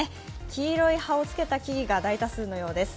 黄色い葉をつけた木々が大多数のようです。